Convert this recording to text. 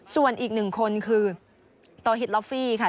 ส่วนอีก๑คนคือตัวฮิตลอฟฟี่ค่ะ